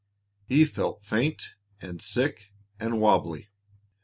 He felt faint and sick and wobbly.